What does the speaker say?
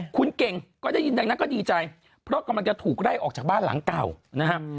คุณเก่งก็ได้ยินดังนั้นก็ดีใจเพราะกำลังจะถูกไล่ออกจากบ้านหลังเก่านะครับ